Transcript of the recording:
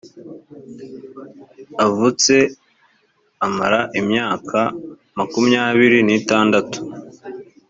avutse amara imyaka makumyabiri n itandatu